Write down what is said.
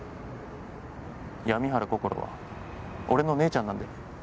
闇原こころは俺の姉ちゃんなんで。